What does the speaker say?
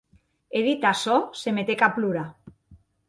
E dit açò, se metec a plorar.